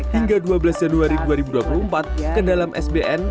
hingga dua belas januari dua ribu dua puluh empat ke dalam sbn